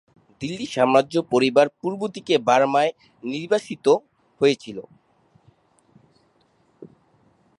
দিল্লি সাম্রাজ্য পরিবার পূর্বদিকে বার্মায় নির্বাসিত হয়েছিল।